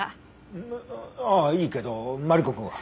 あああいいけどマリコくんは？